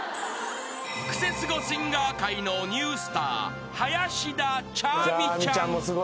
［クセスゴシンガー界のニュースター林田茶愛美ちゃん］